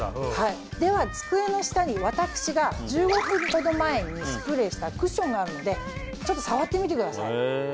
では机の下に私が１５分ほど前にスプレーしたクッションがあるのでちょっと触ってみてください。